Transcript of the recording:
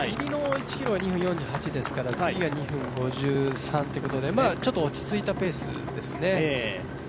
入りの１ｋｍ、２分４８ですから次が２分５３ということでちょっと落ち着いたペースですね。